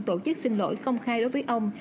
tổ chức xin lỗi công khai đối với ông